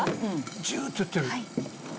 ジュっていってる。